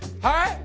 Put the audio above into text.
はい。